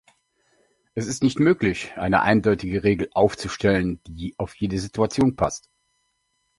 Es ist nicht möglich, eine eindeutige Regel aufzustellen, die auf jede Situation passt.